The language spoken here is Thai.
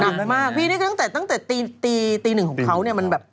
นักมากพี่นี่ก็ตั้งแต่ตีหนึ่งของเขา